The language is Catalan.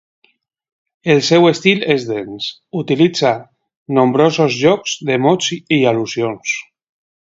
El seu estil és dens, utilitza nombrosos jocs de mots i al·lusions.